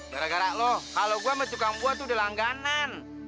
gara gara loh kalau gue sama tukang buah tuh udah langganan